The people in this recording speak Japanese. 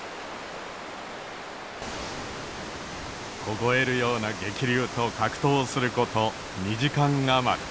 凍えるような激流と格闘すること２時間余り。